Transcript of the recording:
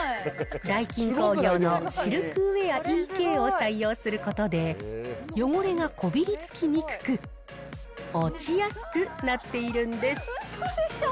ダイキン工業のシルクウェアＥＫを採用することで、汚れがこびりつきにくく、落ちやすくなっているんです。